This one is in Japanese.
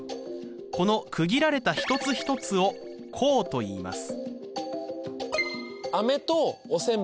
この区切られた一つ一つを項といいます。